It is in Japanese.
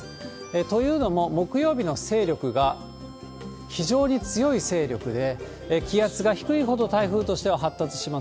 というのも、木曜日の勢力が非常に強い勢力で、気圧が低いほど、台風としては発達します。